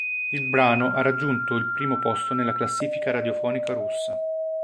Il brano ha raggiunto il primo posto nella classifica radiofonica russa.